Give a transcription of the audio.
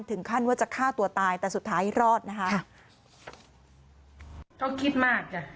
ถึงขั้นว่าจะฆ่าตัวตายแต่สุดท้ายรอดนะคะ